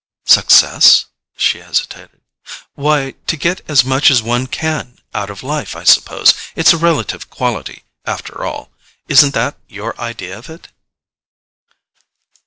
"Success?" She hesitated. "Why, to get as much as one can out of life, I suppose. It's a relative quality, after all. Isn't that your idea of it?"